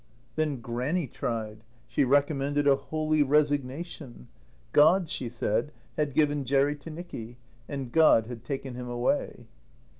Then Grannie tried. She recommended a holy resignation. God, she said, had given Jerry to Nicky, and God had taken him away.